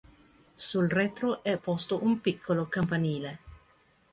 Sul retro è posto un piccolo campanile.